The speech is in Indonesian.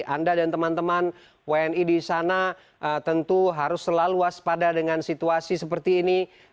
anda dan teman teman wni di sana tentu harus selalu waspada dengan situasi seperti ini